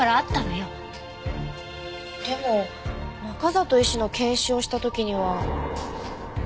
でも中里医師の検視をした時には。